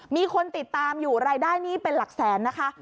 มีคนติดตามอยู่รายได้นี้เป็นหลักแสนนะคะ